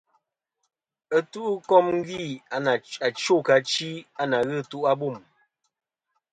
Ɨtu'kom gvi achwo kɨ achi a ǹà ghɨ ɨtu' ɨtu'abûm.